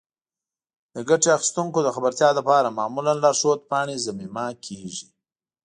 د ګټې اخیستونکو د خبرتیا لپاره معمولا لارښود پاڼې ضمیمه کیږي.